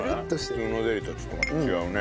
普通のゼリーとちょっとまた違うね。